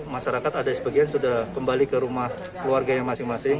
masyarakat ada sebagian sudah kembali ke rumah keluarganya masing masing